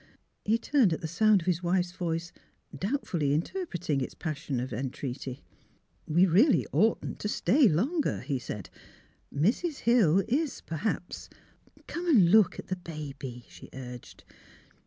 " He turned at the sound of his wife's voice, doubtfully interpreting its passion of entreaty. '^ We really oughtn't to stay longer," he said. " Mrs. Hill is perhaps "" Come and look at the baby," she urged.